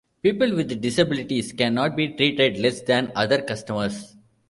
People with disabilities can not be treated less than other customers.